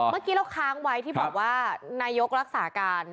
เมื่อกี้เราค้างไว้ที่บอกว่านายกรักษาการ